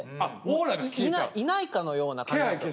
いないかのような感じなんですよ。